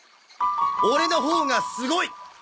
オレのほうがすごい！